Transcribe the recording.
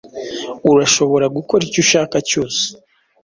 Urashobora gukora icyo ushaka cyose.